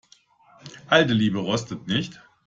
Alte Liebe rostet nicht.